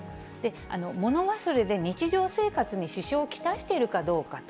物忘れで日常生活に支障を来しているかどうかと。